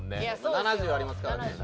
７０ありますからね。